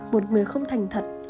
một người không thành thật